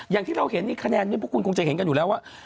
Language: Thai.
อย่างที่เราเห็นนี่คะแนนนี้พวกคุณคงจะเห็นกันอยู่แล้วว่า